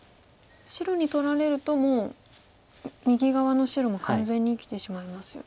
白に取られるともう右側の白も完全に生きてしまいますよね。